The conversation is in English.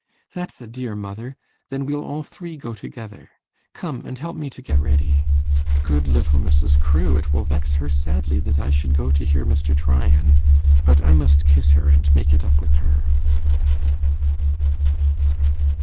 'That's a dear mother! Then we'll all three go together. Come and help me to get ready. Good little Mrs. Crewe! It will vex her sadly that I should go to hear Mr. Tryan. But I must kiss her, and make it up with her.